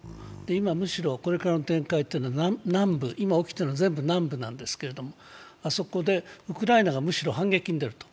むしろこれからの展開は南部、今起きているのは全部南部なんですけれども、あそこでウクライナがむしろ反撃に出ると。